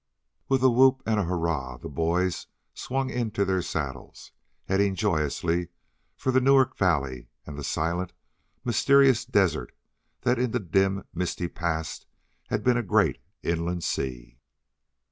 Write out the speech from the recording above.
With a whoop and a hurrah, the boys swung into their saddles, heading joyously for the Newark Valley and the silent, mysterious desert that in the dim, misty past had been a great inland sea.